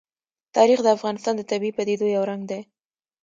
تاریخ د افغانستان د طبیعي پدیدو یو رنګ دی.